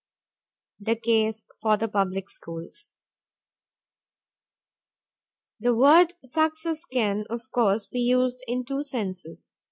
THE CASE FOR THE PUBLIC SCHOOLS The word success can of course be used in two senses.